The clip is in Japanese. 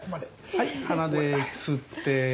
はい鼻で吸って。